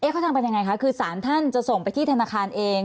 เขาทำกันยังไงคะคือสารท่านจะส่งไปที่ธนาคารเอง